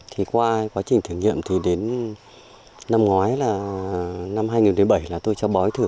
thì qua quá trình thử nghiệm thì đến năm ngoái là năm hai nghìn bảy là tôi cho bói thử